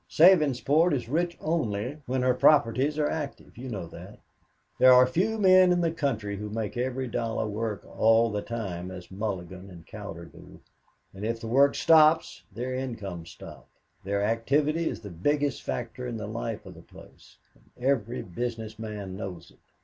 Sabinsport is rich only when her properties are active. You know that. There are few men in the country who make every dollar work all the time as Mulligan and Cowder do, and if the work stops, their incomes stop. Their activity is the biggest factor in the life of the place, and every business man knows it."